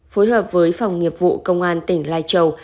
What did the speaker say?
phối hợp với phòng nghiệp vụ công an tỉnh lai châu